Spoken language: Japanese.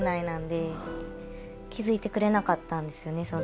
なんで気づいてくれなかったんですよね